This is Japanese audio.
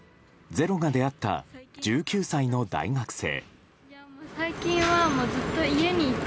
「ｚｅｒｏ」が出会った１９歳の大学生。